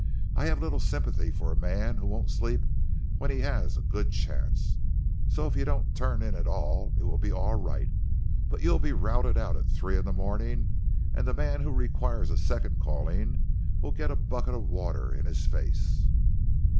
I have little sympathy for a man who won't sleep when he has a good chance. So if you don't turn in at all it will be all right, but you'll be routed out at three in the morning, and the man who requires a second calling will get a bucket of water in his face."